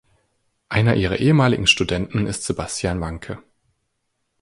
Einer ihrer ehemaligen Studenten ist Sebastian Wanke.